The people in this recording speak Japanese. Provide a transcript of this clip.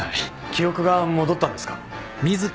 記憶が戻ったんですか？